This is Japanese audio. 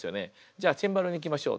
「じゃあチェンバロにいきましょう」。